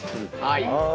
はい。